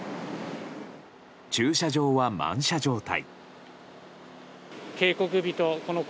駐車場は満車状態。